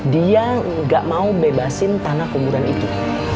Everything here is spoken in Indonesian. dia nggak mau bebasin tanah kuburan itu